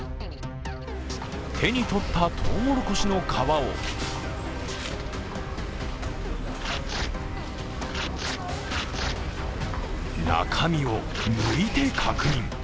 手に取ったとうもろこしの皮を中身をむいて確認。